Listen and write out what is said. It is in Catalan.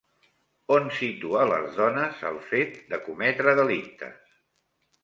On situa les dones el fet de cometre delictes?